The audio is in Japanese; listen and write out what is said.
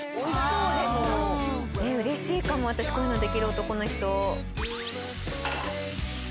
うれしいかも私こういうのできる男の人。